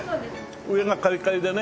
上がカリカリでね。